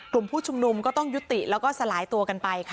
กลุ่มผู้ชุมนุมก็ต้องยุติแล้วก็สลายตัวกันไปค่ะ